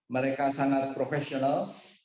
mereka sangat profesional